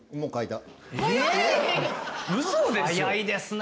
早いですね